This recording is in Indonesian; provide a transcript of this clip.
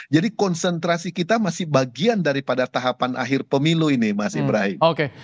jadi konsentrasi kita masih bagian daripada tahapan akhir pemilu ini masih brahim